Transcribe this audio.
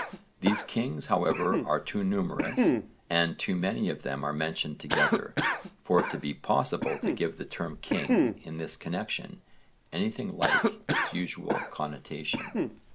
These kings however are too numerous, and too many of them are mentioned together, for it to be possible to give the term king in this connexion anything like its usual connotation.